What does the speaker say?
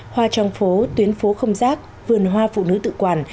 hoa trong phố tuyến phố không rác vườn hoa phụ nữ tự quản